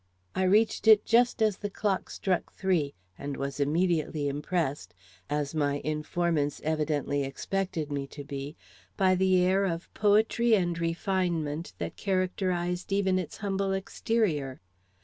I reached it just as the clock struck three, and was immediately impressed, as my informants evidently expected me to be, by the air of poetry and refinement that characterized even its humble exterior.